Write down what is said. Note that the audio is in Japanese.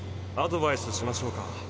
アドバイスしましょうか？